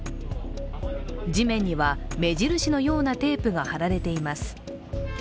地面には目印のようなテープが貼られています。